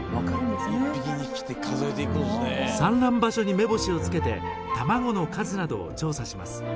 産卵場所に目星をつけて卵の数などを調査します。